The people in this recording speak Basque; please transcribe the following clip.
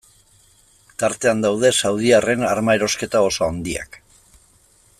Tartean daude saudiarren arma erosketa oso handiak.